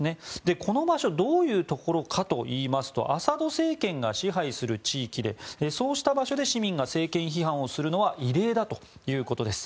この場所どういうところかといいますとアサド政権が支配する地域でそうした場所で市民が政権批判をするのは異例だということです。